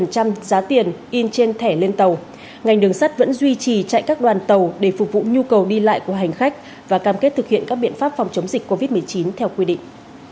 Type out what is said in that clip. ngành đường sắt cũng lưu ý hành khách và cam kết thực hiện các biện pháp phòng chống dịch covid một mươi chín theo quy định